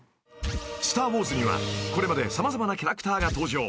［『スター・ウォーズ』にはこれまで様々なキャラクターが登場］